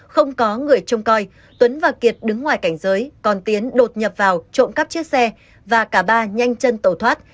không có người trông coi tuấn và kiệt đứng ngoài cảnh giới còn tiến đột nhập vào trộm cắp chiếc xe và cả ba nhanh chân tẩu thoát